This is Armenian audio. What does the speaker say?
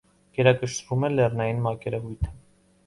Գերակշռում է լեռնային մակերևույթը։